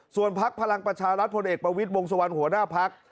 ส่วนพักพลังประชารัฐพลเอกประวิทย์วงสวรรณหัวหน้าพัก